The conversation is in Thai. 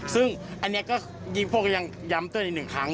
ซึ่งอันนี้ก็ยิงพวกก็ยังย้ำเตือนอีกหนึ่งครั้ง